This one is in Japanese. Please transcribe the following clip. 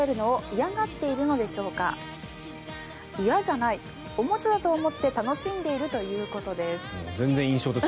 嫌じゃないおもちゃだと思って楽しんでいるということだそうです。